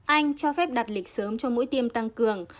anh cho phép đặt lịch sớm cho mũi tiêm tăng cường